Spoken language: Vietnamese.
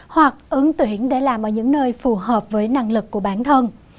hoặc ứng tuyển để làm ở những nơi phù hợp với năng lực của bản thân